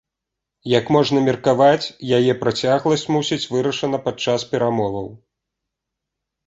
Як можна меркаваць, яе працягласць мусіць вырашана падчас перамоваў.